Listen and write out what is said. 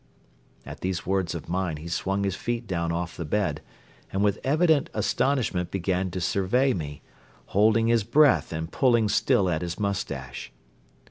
At these words of mine he swung his feet down off the bed and with evident astonishment began to survey me, holding his breath and pulling still at his moustache.